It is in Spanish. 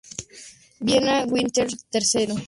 Viena; Wiener Ill.